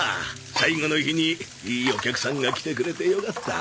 最後の日にいいお客さんが来てくれてよかった。